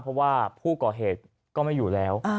เพราะว่าผู้ก่อเหตุก็ไม่อยู่แล้ว